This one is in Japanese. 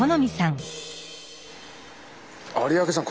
有明さん